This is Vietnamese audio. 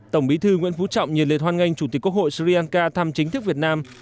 tổng bí thư nguyễn phú trọng nhiệt liệt hoan nghênh chủ tịch quốc hội sri lanka thăm chính thức việt nam